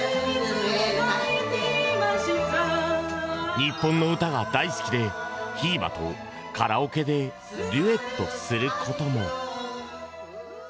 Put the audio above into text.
日本の歌が大好きでひーばとカラオケでデュエットすることも。